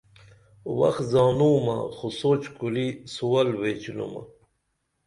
وخ زانومہ خو سوچ کُری سُول ویچینُمہ